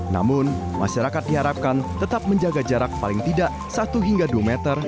namun masyarakat diharapkan tetap menjaga jarak paling tidak satu hingga dua meter